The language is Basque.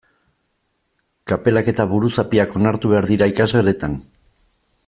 Kapelak eta buruzapiak onartu behar dira ikasgeletan?